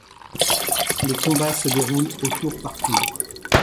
Les combats se déroulent au tour par tour.